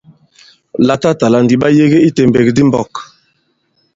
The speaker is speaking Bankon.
Latatàla ndi ɓa yege i tèmbèk di i mɓɔ̄k.